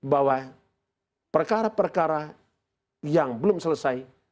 bahwa perkara perkara yang belum selesai